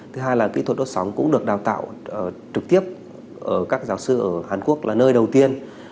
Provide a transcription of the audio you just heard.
thứ hai là kỹ thuật đốt sóng cũng được đào tạo trực tiếp ở các giáo sư ở hàn quốc là nơi đầu tiên